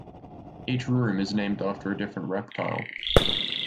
Each room is named after a different reptile.